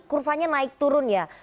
kurvanya naik turun ya